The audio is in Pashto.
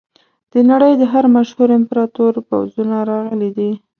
د نړۍ د هر مشهور امپراتور پوځونه راغلي دي.